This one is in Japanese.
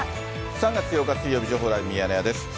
３月８日水曜日、情報ライブミヤネ屋です。